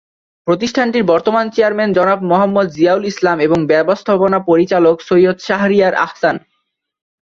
প্রতিষ্ঠানটির বর্তমান চেয়ারম্যান জনাব মোহাম্মদ জিয়াউল ইসলাম এবং ব্যবস্থাপনা পরিচালক সৈয়দ শাহরিয়ার আহসান।